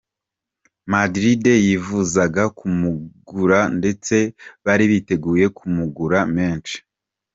Madrid yifuzaga kumugura ndetse bari biteguye kumugura menshi.